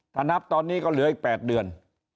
ถ้านับตอนนี้ก็เหลืออีก๘เดือน